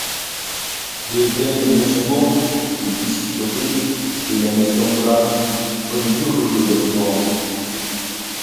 Les réaménagements des pièces historiques de la Maison-Blanche ont lieu régulièrement.